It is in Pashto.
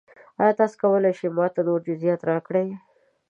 ایا تاسو کولی شئ ما ته نور جزئیات راکړئ؟